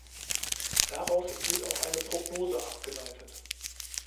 Daraus wird auch eine Prognose abgeleitet.